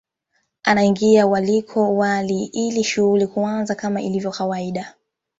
Anaingia waliko wali ili shughuli kuanza kama ilivyo kawaida